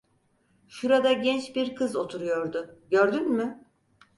Şurada genç bir kız oturuyordu, gördün mü?